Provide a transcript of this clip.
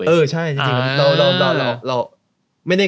เออใช่จริงครับ